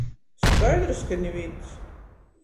Skaidrys, ka nivīns.